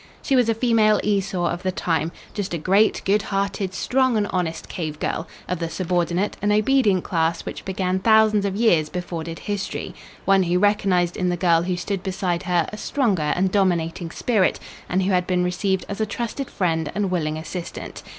She was a female Esau of the time, just a great, good hearted, strong and honest cave girl, of the subordinate and obedient class which began thousands of years before did history, one who recognized in the girl who stood beside her a stronger and dominating spirit, and who had been received as a trusted friend and willing assistant.